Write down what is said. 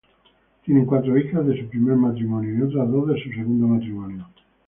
Tiene cuatro hijas de su primer matrimonio y otras dos de su segundo matrimonio.